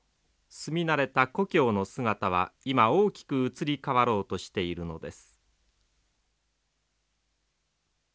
住み慣れた故郷の姿は今大きく移り変わろうとしているのです。